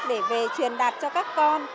để về truyền đạt cho các con